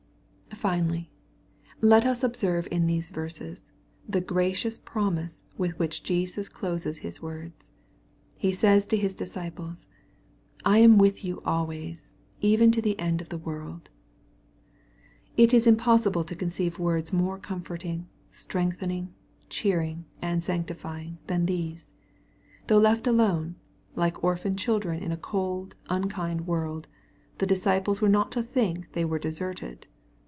Finally, let us observe in these verses, the gracious pro mise with which Jesus closes Sis words. He says to His disciples " I am with you always even to the end of the world." It is impossible to conceive words more comforting, strengthening, cheering, and sanctifying than these. Though left alone, like orphan children in a cold, unkind world, the disciples were not to think they were deserted.